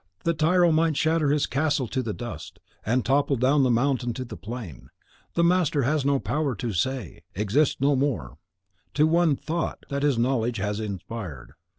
The tyro might shatter this castle to the dust, and topple down the mountain to the plain. The master has no power to say, 'Exist no more,' to one THOUGHT that his knowledge has inspired.